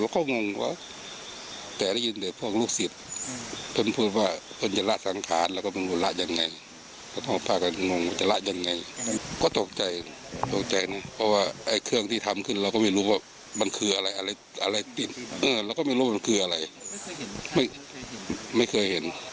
ก็ต้องพากันมองว่าจะละยังไงก็ตกใจตกใจนะเพราะว่าไอ้เครื่องที่ทำขึ้นเราก็ไม่รู้ว่ามันคืออะไรอะไรอะไรติดเออเราก็ไม่รู้มันคืออะไรไม่ไม่เคยเห็น